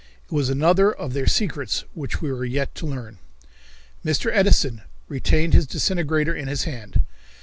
It was another of their secrets which we were yet to learn. Mr. Edison retained his disintegrator in his hand.